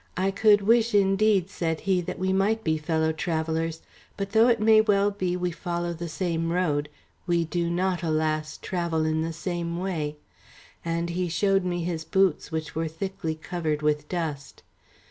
"I could wish indeed," said he, "that we might be fellow travellers, but though it may well be we follow the same road, we do not, alas, travel in the same way," and he showed me his boots which were thickly covered with dust.